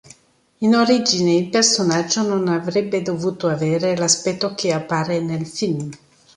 In origine il personaggio non avrebbe dovuto avere l'aspetto che appare nel film.